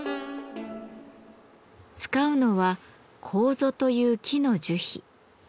使うのは楮という木の樹皮。